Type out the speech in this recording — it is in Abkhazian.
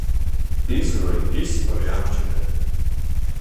Изури, исҳәари, амчыда?